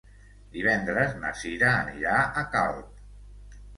Divendres na Cira anirà a Calp.